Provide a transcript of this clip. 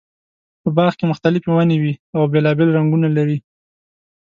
په باغ کې مختلفې ونې وي او بېلابېل رنګونه لري.